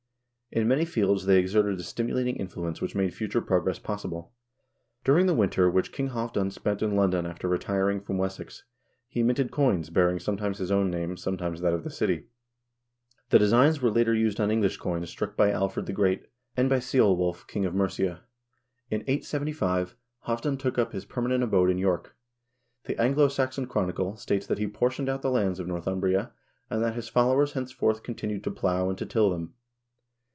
In many fields they exerted a stimulating influence which made future progress possible. During the winter which King Halvdan spent in London after retiring from Wessex, he minted coins bearing sometimes his own name, sometimes that of the city. The designs were later used on English coins struck by Alfred the THE VIKING PERIOD 57 Great, and by Ceolwulf, king of Mercia. In S75 Halvdan took up liis permanent abode in York. The "Anglo Saxon Chronicle" statis that he portioned out the lands of Northumbria, and that his followers henceforth continued to plow and to till them.